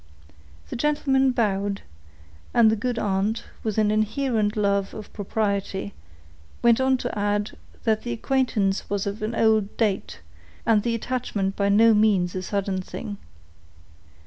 The gentlemen bowed; and the good aunt, with an inherent love of propriety, went on to add, that the acquaintance was of an old date, and the attachment by no means a sudden thing.